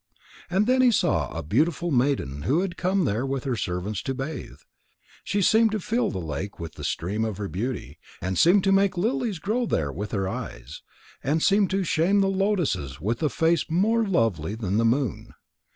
And then he saw a beautiful maiden who had come there with her servants to bathe. She seemed to fill the lake with the stream of her beauty, and seemed to make lilies grow there with her eyes, and seemed to shame the lotuses with a face more lovely than the moon.